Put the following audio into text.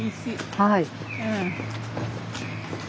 はい。